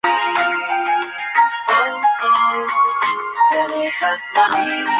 Dispone de una taquilla para la compra de títulos de transportes Transilien.